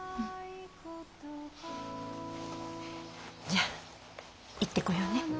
じゃあ行ってこようね。